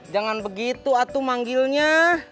jangan begitu atu manggilnya